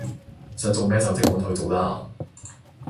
想做乜就即管去做啦